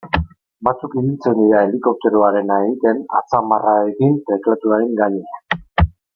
Batzuk ibiltzen dira helikopteroarena egiten atzamarrarekin teklatuaren gainean.